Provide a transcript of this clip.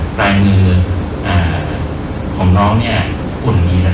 ปลายมือของคุณ